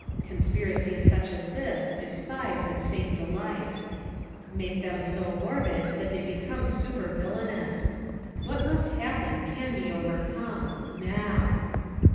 Conspiracy such as this is SPIES insane delight : Make them so morbid that the}' become super villainous. What must happen can be overcome — NOW